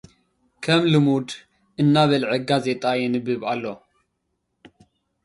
ከም ልሙድ፡ እናበልዐ ጋዜጣ የንብብ እዩ።